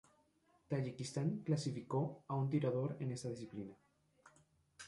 Tayikistán clasificó a un tirador en esta disciplina.